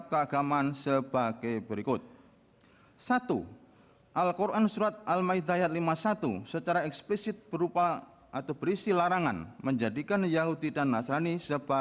kepulauan seribu kepulauan seribu